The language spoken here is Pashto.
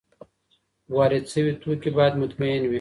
وارد شوي توکي باید مطمین وي.